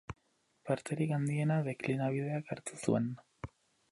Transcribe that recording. Parterik handiena deklinabideak hartu zuen.